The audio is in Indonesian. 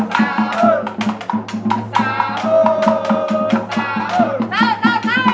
sahur sahur sahur